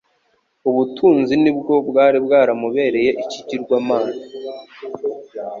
ubutunzi nibwo bwari bwaramubereye ikigirwamana.